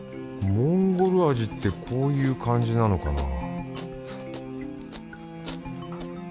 モンゴル味ってこういう感じなのかなぁ